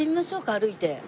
歩いて。